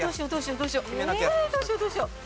ええどうしようどうしよう？